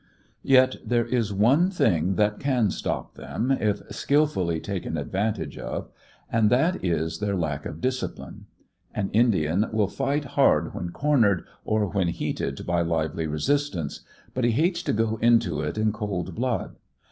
Yet there is one thing that can stop them, if skilfully taken advantage of, and that is their lack of discipline. An Indian will fight hard when cornered, or when heated by lively resistance, but he hates to go into it in cold blood.